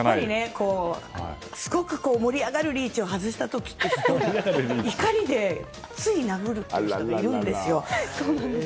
すごく盛り上がるリーチを外した時、怒りでつい殴るという人がいるんですよ。